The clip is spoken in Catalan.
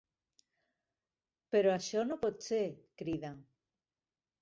Però això no pot ser! —crida—.